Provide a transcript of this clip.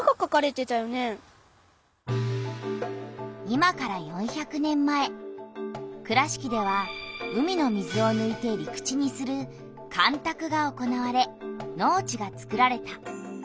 今から４００年前倉敷では海の水をぬいて陸地にする干たくが行われ農地がつくられた。